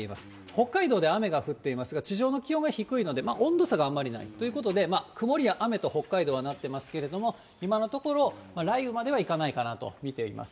北海道で雨が降っていますが、地上の気温が低いので、温度差があんまりないということで、曇りや雨と、北海道はなってますけれども、今のところ、雷雨まではいかないかなと見ています。